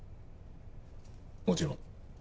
もちろん。